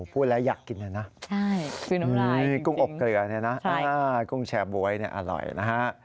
พูดแล้วอยากกินเลยนะกุ้งอบเกลือเนี่ยนะกุ้งแชร์บ๊วยอร่อยนะฮะ